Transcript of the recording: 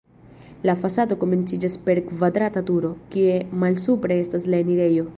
La fasado komenciĝas per kvadrata turo, kie malsupre estas la enirejo.